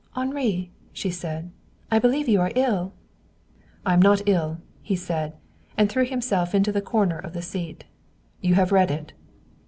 "Henri!" she said. "I believe you are ill!" "I am not ill," he said, and threw himself into the corner of the seat. "You have read it?"